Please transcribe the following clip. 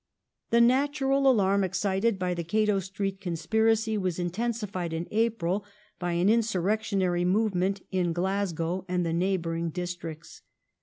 The natural alarm excited by the Cato Street Conspiracy was intensified in April by an insurrectionary movement in Glasgow and the neighbouring districts.